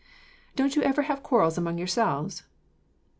"Don't you ever have quarrels among yourselves?"